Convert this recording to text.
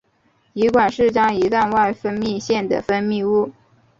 胰管是将胰脏外分泌腺的分泌物。